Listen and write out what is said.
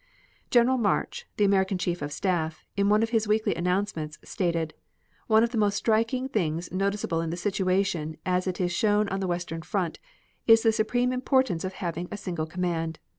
General March, the American Chief of Staff, in one of his weekly announcements, stated: "One of the most striking things noticeable in the situation as it is shown on the western front is the supreme importance of having a single command.